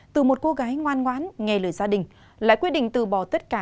từ một cô gái ngoan ngoãn nghe lời gia đình lại quyết định từ bỏ tất cả